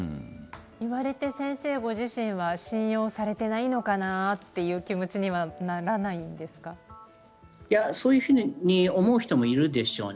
言われて先生ご自身は信用されていないんじゃないかなそういうふうに思う人もいるでしょうね。